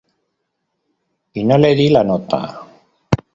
Y no le di la nota.